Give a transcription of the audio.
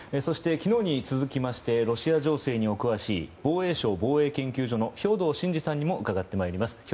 昨日に続きましてロシア情勢に詳しい防衛省防衛研究所の兵頭慎治さんにも伺ってまいります。